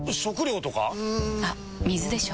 うん。あっ水でしょ。